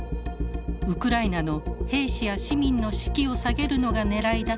ウクライナの兵士や市民の士気を下げるのがねらいだと見られています。